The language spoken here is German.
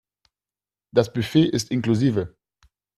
Das Buffet ist inklusive.